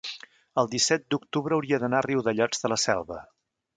el disset d'octubre hauria d'anar a Riudellots de la Selva.